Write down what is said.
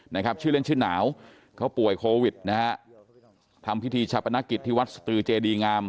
นะครับชื่อเล่นชื่อหนาวเขาป่วยโควิดนะฮะทำพิธีชาปนกิจที่วัดสตือเจดีงาม